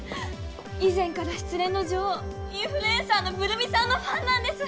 以前から失恋の女王インフルエンサーのブル美さんのファンなんです！